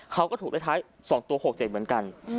เขาก็ถูกเลขท้าย๒ตัว๖๗เหมือนกัน